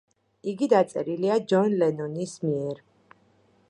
იგი დაწერილია ჯონ ლენონის მიერ.